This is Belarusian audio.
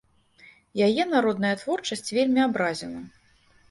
Яе народная творчасць вельмі абразіла.